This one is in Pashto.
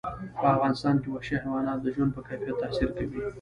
په افغانستان کې وحشي حیوانات د ژوند په کیفیت تاثیر کوي.